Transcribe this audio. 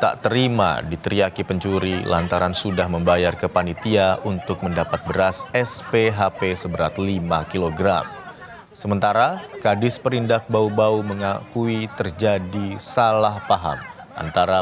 kepala dinas membantah meneriaki pencuri namun meminta warga untuk tertip mengantri